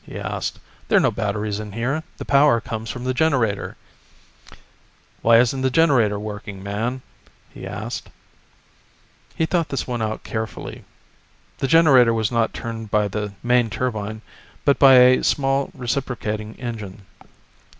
he asked. "There're no batteries in here, the power comes from the generator." "Why isn't the generator working, man?" he asked. He thought this one out carefully. The generator was not turned by the main turbine, but by a small reciprocating engine.